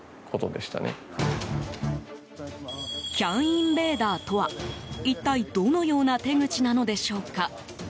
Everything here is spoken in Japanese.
ＣＡＮインベーダーとは一体、どのような手口なのでしょうか。